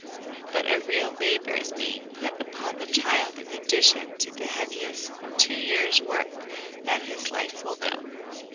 But a real labour is being put upon the child in addition to the heaviest two years' work that his life will know.